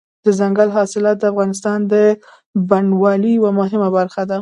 دځنګل حاصلات د افغانستان د بڼوالۍ یوه مهمه برخه ده.